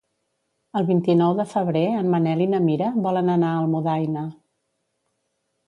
El vint-i-nou de febrer en Manel i na Mira volen anar a Almudaina.